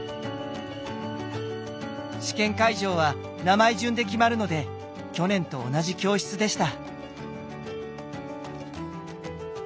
試験会場は名前順で決まるので去年と同じ教室でした。